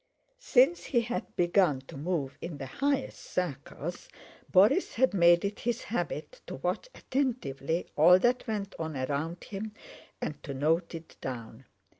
Since he had begun to move in the highest circles Borís had made it his habit to watch attentively all that went on around him and to note it down.